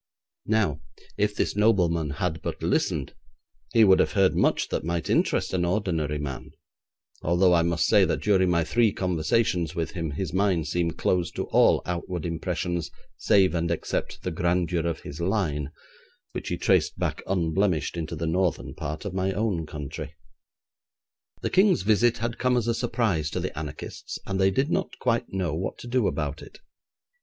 Now, if this nobleman had but listened, he would have heard much that might interest an ordinary man, although I must say that during my three conversations with him his mind seemed closed to all outward impressions save and except the grandeur of his line, which he traced back unblemished into the northern part of my own country. The King's visit had come as a surprise to the anarchists, and they did not quite know what to do about it.